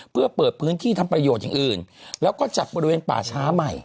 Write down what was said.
เพื่อเปิดพื้นที่ทำประโยชน์อย่างอื่นแล้วก็จับบริเวณป่าช้าใหม่